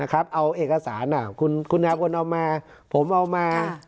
นะครับเอาเอกสารคุณอาวุธเอามาผมเอามา